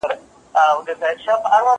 ونه د بزګر له خوا اوبه کيږي!.